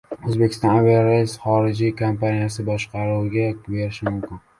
«Uzbekistan Airways» xorijiy kompaniya boshqaruviga berilishi mumkin